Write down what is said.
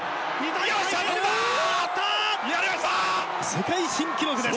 世界新記録です！